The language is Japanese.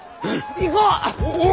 行こう！